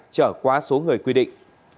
trở quá số người quy định